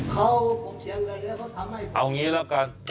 เขาพบเสียเงินเลยแล้วเขาทำให้